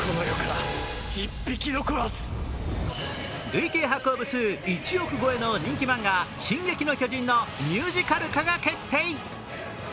累計販売部数１億部超えの人気漫画「進撃の巨人」のミュージカル化が決定。